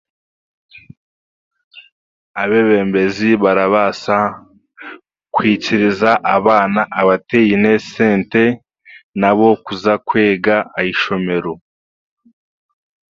Abeebembezi barabaasa kwikiriza abaana abataine sente nabo kuza kwega ahaishomero.